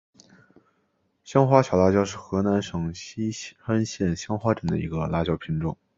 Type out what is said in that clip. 香花小辣椒是河南省淅川县香花镇的一个辣椒品种。